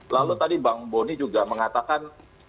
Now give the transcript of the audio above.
lalu tadi bang boni juga mengatakan